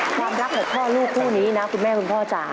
ความรักของพ่อลูกผู้นี้นะคุณแม่ค่ะ